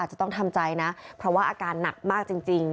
จะต้องทำใจนะเพราะว่าอาการหนักมากจริง